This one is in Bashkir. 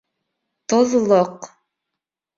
Тоҙлоҡ